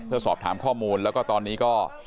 เพื่อสอบถามข้อมูลแล้วก็ตอนนี้ก็